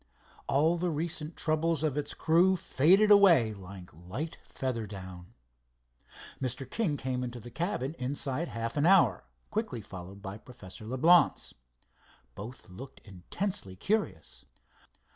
All the recent troubles of its crew faded away like light feather down. Mr. King came into the cabin inside of half an hour, quickly followed by Professor Leblance. Both looked intensely curious.